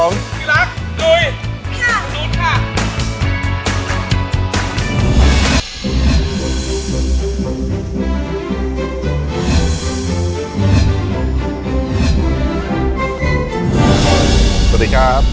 พี่ลักษมณ์กลุ่ย